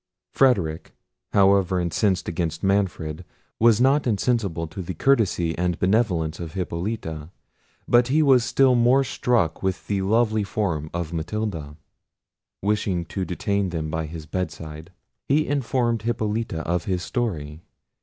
Frederic, however incensed against Manfred, was not insensible to the courtesy and benevolence of Hippolita: but he was still more struck with the lovely form of Matilda. Wishing to detain them by his bedside, he informed Hippolita of his story.